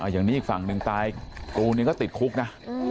อย่างนี้อีกฝั่งหนึ่งตายปูหนึ่งก็ติดคุกนะ